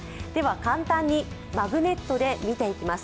簡単にマグネットで見ていきます。